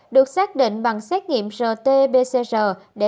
được xác định bằng xét nghiệm rt pcr để xem liệu virus còn hoạt động hay không